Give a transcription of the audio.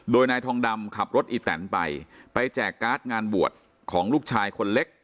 โดยนายทองดำขับรถอีแตนไปไปแจกการ์ดงานบวชของลูกชายคนเล็ก